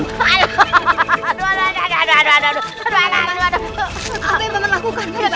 apa yang paman lakukan